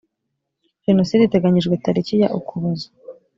jenoside iteganyijwe tariki ya ukuboza